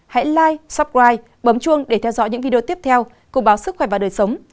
hãy like subscribe bấm chuông để theo dõi những video tiếp theo của báo sức khỏe và đời sống